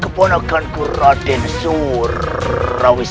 keponakan kuraden surrawisinsa